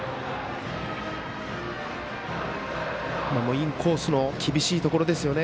インコースの厳しいところですよね。